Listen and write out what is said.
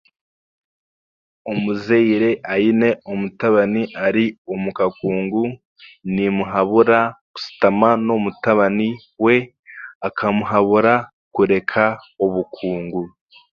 Omuzaire aine omutabani ari omukakungu nimuhabura kushutama n'omutabani we kumuhabura kureka obukungu